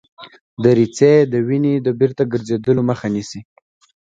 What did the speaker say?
دریڅې د وینې د بیرته ګرځیدلو مخه نیسي.